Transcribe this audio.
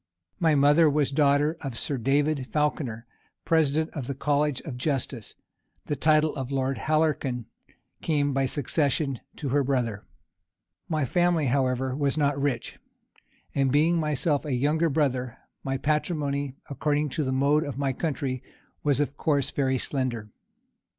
My mother was daughter of Sir David Falconer, president of the college of justice; the title of Lord Halkerton came by succession to her brother. My family, however, was not rich; and being myself a younger brother, my patrimony, according to the mode of my country, was of course very slender.